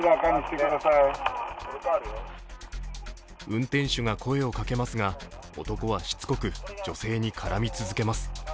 運転手が声をかけますが男はしつこく女性に絡み続けます。